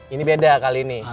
ini beda kali ini